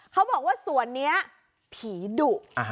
เขาบอกว่าสวนนี้ผีดุ